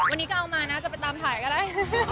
วันนี้ก็เอามานะจะไปตามถ่ายก็ได้